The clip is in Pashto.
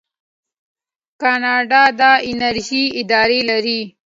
کاناډا د انرژۍ اداره لري.